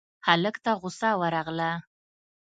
هلک ته غوسه ورغله: